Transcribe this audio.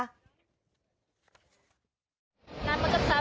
เธอเล่าว่ายังไง